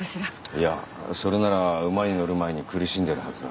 いやそれなら馬に乗る前に苦しんでるはずだ。